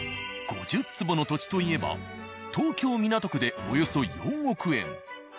５０坪の土地といえば東京・港区でおよそ４億円。